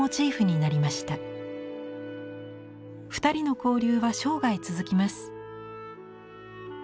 ２人の交流は生涯続きます。